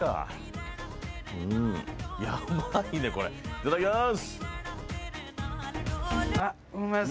いただきます！